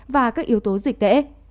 và các yếu tố dịch tễ